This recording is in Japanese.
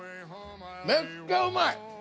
めっちゃうまい！